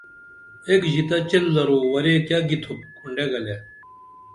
ایک ژِتہ چیل درو ورے کیہ گِتُھوپ کھونڈے گلے